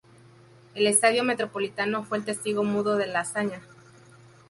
El estadio Metropolitano fue el testigo mudo de la hazaña.